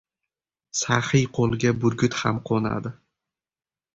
• Saxiy qo‘lga burgut ham qo‘nadi.